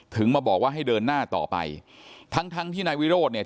ถึงมาบอกว่าให้เดินหน้าต่อไปทั้งที่นายวิโรศัพท์เนี่ย